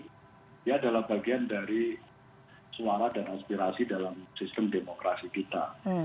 dan dia adalah bagian dari suara dan aspirasi dalam sistem demokrasi kita